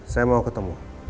saya mau ketemu